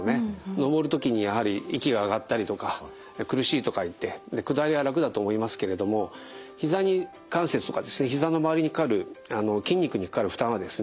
登る時にやはり息が上がったりとか苦しいとかいって下りは楽だと思いますけれどもひざ関節とかひざの周りにかかる筋肉にかかる負担はですね